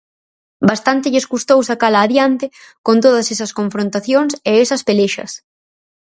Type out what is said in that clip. Bastante lles custou sacala adiante con todas esas confrontacións e esas pelexas.